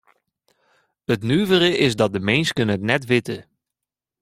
It nuvere is dat de minsken it net witte.